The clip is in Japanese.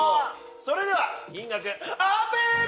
それでは金額オープン！